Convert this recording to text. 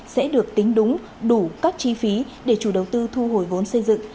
sẽ được tính đúng đủ các chi phí để chủ đầu tư thu hồi vốn xây dựng